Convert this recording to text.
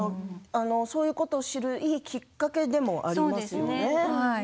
そういうことを知るいいきっかけでもありましたね。